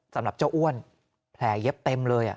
สำหรับเจ้าอ้วนแผลเย็บเต็มเลย